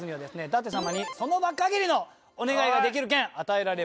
舘様に「その場限りのお願い」ができる権与えられます。